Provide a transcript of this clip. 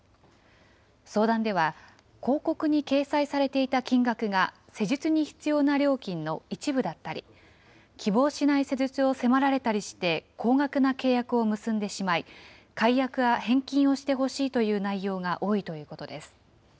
相談では、広告に掲載されていた金額が施術に必要な料金の一部だったり、希望しない施術を迫られたりして、高額な契約を結んでしまい、解約や返金をしてほしいという内容が多いということです。